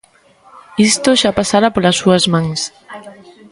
Isto xa pasara polas súas mans.